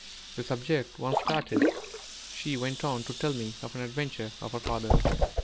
This subject once started, she went on to tell me of an adventure of her father.